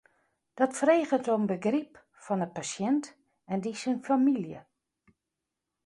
Dat freget om begryp fan de pasjint en dy syn famylje.